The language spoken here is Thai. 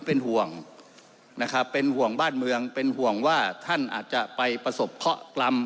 เป็นห่วงนะครับเป็นห่วงบ้านเมืองเป็นห่วงว่าท่านอาจจะไปประสบเคาะกรรม